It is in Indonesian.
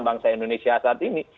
bangsa indonesia saat ini